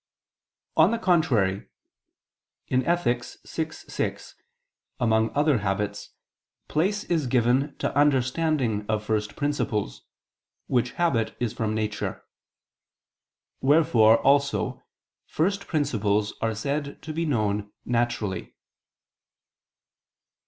On the contrary, In Ethic. vi, 6, among other habits, place is given to understanding of first principles, which habit is from nature: wherefore also first principles are said to be known naturally.